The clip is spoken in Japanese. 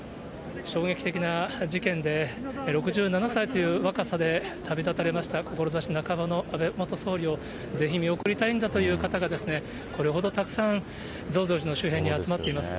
衝撃的な事件で、６７歳という若さで旅立たれました、志半ばの安倍元総理をぜひ見送りたいんだという方が、これほどたくさん増上寺の周辺に集まっています。